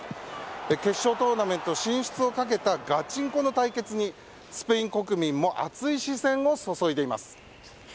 決勝トーナメント進出をかけたガチンコの対決にスペイン国民も熱い視線を注いでいます。